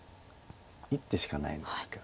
１手しかないんですけど。